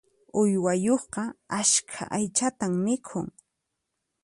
Uywayuqqa askha aychatan mikhun.